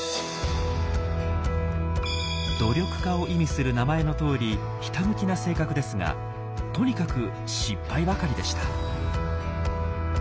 「努力家」を意味する名前のとおりひたむきな性格ですがとにかく失敗ばかりでした。